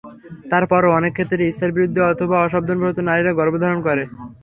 তার পরও অনেক ক্ষেত্রে ইচ্ছার বিরুদ্ধে অথবা অসাবধানতাবশত নারীরা গর্ভধারণ করে।